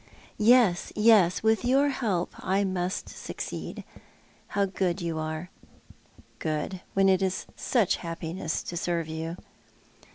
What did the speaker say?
" Yes, yes, with your help I must succeed. How good you are." " Good, when it is such liappiness to serve you."